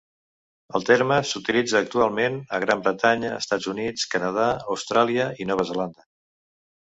El terme s'utilitza actualment a Gran Bretanya, Estats Units, Canadà, Austràlia i Nova Zelanda.